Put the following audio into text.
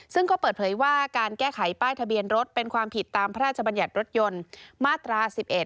ซึ่งก็เปิดเผยว่าการแก้ไขป้ายทะเบียนรถเป็นความผิดตามพระราชบัญญัติรถยนต์มาตรา๑๑